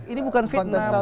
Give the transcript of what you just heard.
ini bukan fitnah